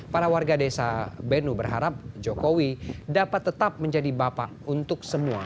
para warga desa benu berharap jokowi dapat tetap menjadi bapak untuk semua